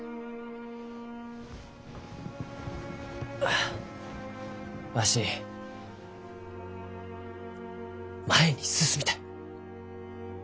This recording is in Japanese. あわし前に進みたい。